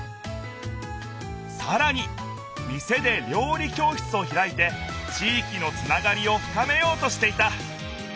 さらに店で料理教室をひらいて地いきのつながりをふかめようとしていた。